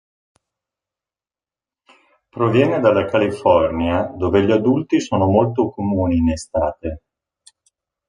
Proviene dalla California, dove gli adulti sono molto comuni in estate.